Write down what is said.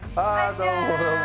どうもどうも。